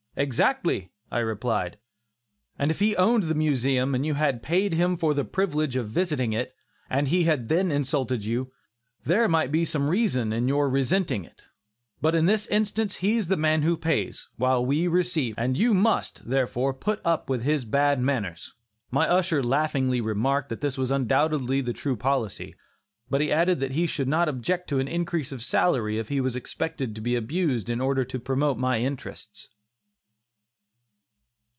"Exactly," I replied, "and if he owned the Museum, and you had paid him for the privilege of visiting it, and he had then insulted you, there might be some reason in your resenting it, but in this instance he is the man who pays, while we receive, and you must, therefore, put up with his bad manners." My usher laughingly remarked, that this was undoubtedly the true policy, but he added that he should not object to an increase of salary if he was expected to be abused in order to promote my interests.